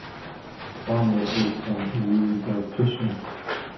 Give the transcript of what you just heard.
Пан якийсь там її узяв, чи що.